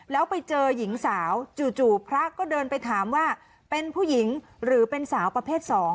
แล้วไปเจอหญิงสาวจู่พระก็เดินไปถามว่าเป็นผู้หญิงหรือเป็นสาวประเภท๒